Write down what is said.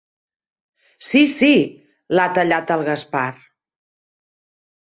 Sí sí —l'ha tallat el Gaspar.